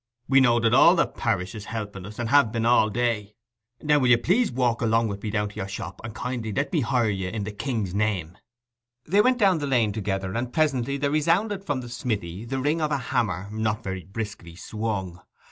We know that all the parish is helping us, and have been all day! Now you please walk along with me down to your shop, and kindly let me hire ye in the king's name.' They went down the lane together; and presently there resounded from the smithy the ring of a hammer not very briskly swung.